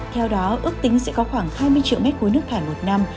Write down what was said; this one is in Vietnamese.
theo đó ước tính sẽ có khoảng hai mươi triệu mét khối nước thải một năm